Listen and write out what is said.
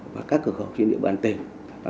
và các cửa khẩu chuyên nghiệp bản tình